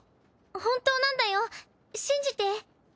本当なんだよ信じて！